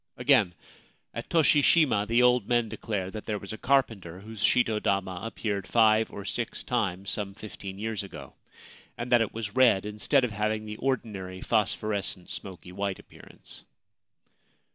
Again : At Toshi Shima the old men declare that there was a carpenter whose shito dama appeared five or six times some fifteen years ago, and that it was red, instead of having the ordinary phosphorescent smoky white appearance.